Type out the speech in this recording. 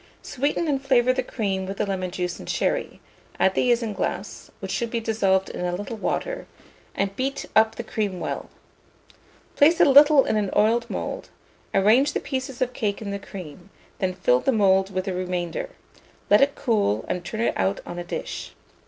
Sweeten and flavour the cream with the lemon juice and sherry; add the isinglass, which should be dissolved in a little water, and beat up the cream well. Place a little in an oiled mould; arrange the pieces of cake in the cream; then fill the mould with the remainder; let it cool, and turn it out on a dish.